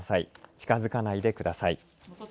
近づかないでください。